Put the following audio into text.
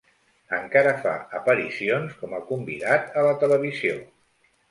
Encara fa aparicions com a convidat a la televisió.